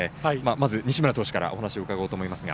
まず、西村投手からお話を伺おうかと思いますが。